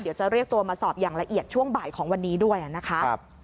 เดี๋ยวจะเรียกตัวมาสอบอย่างละเอียดช่วงบ่ายของวันนี้ด้วยนะคะ